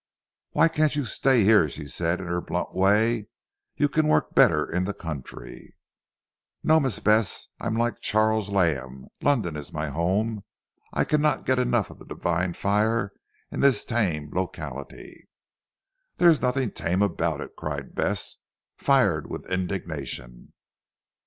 "Why can't you stay here?" she said in her blunt way, "you can work better in the country." "No, Miss Bess. I am like Charles Lamb; London is my home. I cannot get enough of the divine fire in this tame locality." "There is nothing tame about it," cried Bess fired with indignation.